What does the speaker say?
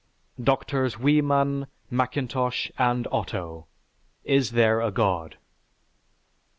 (_Drs. Wieman, Macintosh, and Otto: "Is There a God?"